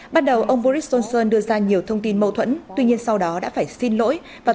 bắt đầu ông boris johnson đưa ra nhiều thông tin mâu thuẫn tuy nhiên sau đó đã phải xin lỗi và